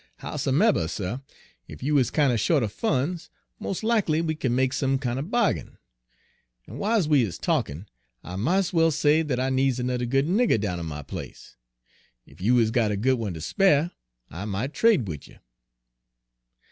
Howsomeber, suh, ef you is kinder sho't er fun's, mos' lackly we kin make some kin' er bahg'in. En w'iles we is talkin', I mought's well say dat I needs ernudder good nigger down on my place. Ef you is got a good one ter spar', I mought trade wid you.'